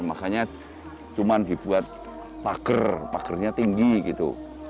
makanya cuma dibuat pagar pagarnya tinggi gitu